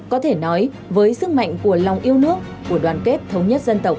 có thể nói với sức mạnh của lòng yêu nước của đoàn kết thống nhất dân tộc